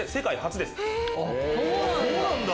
そうなんだ！